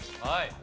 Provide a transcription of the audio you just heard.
はい。